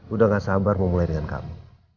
udah gak sabar memulai dengan kamu